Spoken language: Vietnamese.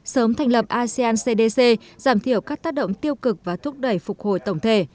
sớm thành lập asean cdc giảm thiểu các tác động tiêu cực và thúc đẩy phục hồi tổng thể